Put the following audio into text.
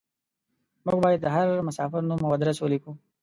موږ بايد د هر مساپر نوم او ادرس وليکو.